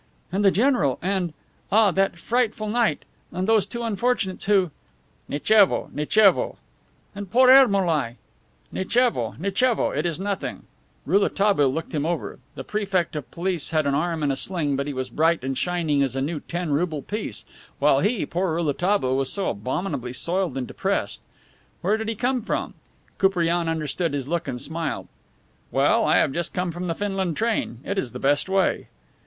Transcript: "And the general and ! Ah, that frightful night! And those two unfortunates who ?" "Nitchevo! Nitchevo!" "And poor Ermolai!" "Nitchevo! Nitchevo! It is nothing." Rouletabille looked him over. The Prefect of Police had an arm in a sling, but he was bright and shining as a new ten rouble piece, while he, poor Rouletabille, was so abominably soiled and depressed. Where did he come from? Koupriane understood his look and smiled. "Well, I have just come from the Finland train; it is the best way."